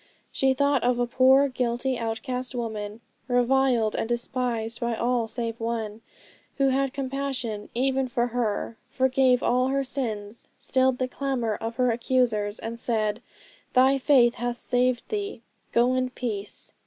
She thought of a poor, guilty, outcast woman, reviled and despised by all save One, who had compassion even for her, forgave all her sins, stilled the clamour of her accusers, and said, 'Thy faith hath saved thee; go in peace.'